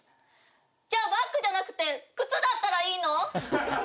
じゃあバッグじゃなくて靴だったらいいの？